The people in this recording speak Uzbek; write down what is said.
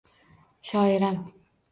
Shoiram!